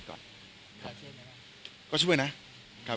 ของขวัญรับปริญญา